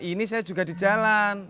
ini saya juga di jalan